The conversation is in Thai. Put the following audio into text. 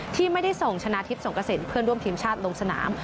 ที่ไม่ได้ส่งชนะทิพย์สงกระสินเพื่อนร่วมทีมชาติลงสนาม